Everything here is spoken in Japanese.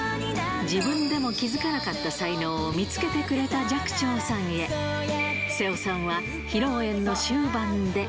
自分でも気付かなかった才能を見つけてくれた寂聴さんヘ、瀬尾さんは、披露宴の終盤で。